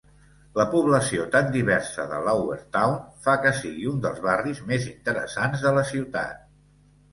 La població tan diversa de Lowertown fa que sigui un dels barris més interessants de la ciutat.